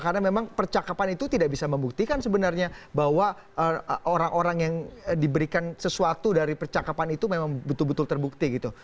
karena memang percakapan itu tidak bisa membuktikan sebenarnya bahwa orang orang yang diberikan sesuatu dari percakapan itu memang betul betul terbukti gitu